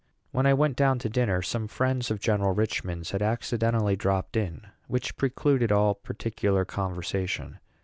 When I went down to dinner some friends of General Richman's had accidentally dropped in, which precluded all particular conversation.